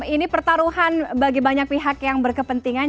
ini pertaruhan bagi banyak pihak yang berkepentingan